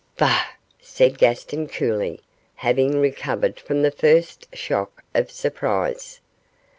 'Bah!' said Gaston, coolly, having recovered from the first shock of surprise.